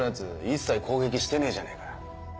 一切攻撃してねえじゃねぇかよ。